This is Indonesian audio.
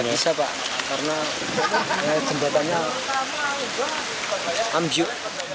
enggak bisa pak karena jembatannya ambiuk